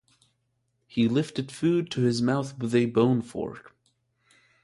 He lifted food to his mouth with a bone fork.